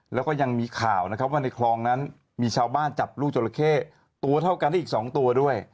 แล้วก็ยังมีข่าวนะครับว่าในคลองนั้นมีชาวบ้านจับลูกจราเข้ตัวเท่ากันได้อีก๒ตัวด้วย